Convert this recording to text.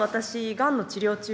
がんの治療中で。